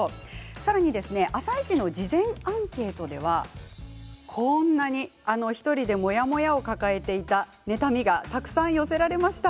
さらに、「あさイチ」の事前アンケートではこんなに１人でモヤモヤを抱えていた妬みがたくさん寄せられました。